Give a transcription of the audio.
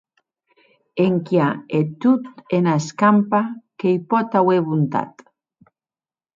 Enquia e tot ena escampa que i pòt auer bontat.